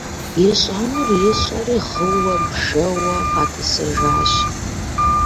Ищӏэнур ищӏэри гъыуэ-бжэуэ къэтӏысыжащ.